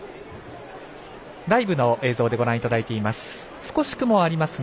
ライブの映像でご覧いただいています。